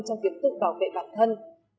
trong việc tự bảo vệ bản thân